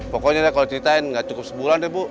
pokoknya deh kalau ceritain nggak cukup sebulan deh bu